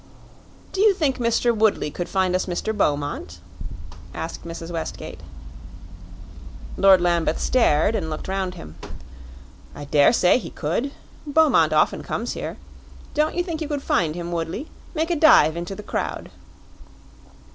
"Do you think Mr. Woodley could find us Mr. Beaumont?" asked Mrs. Westgate. Lord Lambeth stared and looked round him. "I daresay he could. Beaumont often comes here. Don't you think you could find him, Woodley? Make a dive into the crowd."